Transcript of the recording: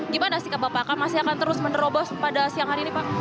gimana sikap bapak masih akan terus menerobos pada siang hari ini pak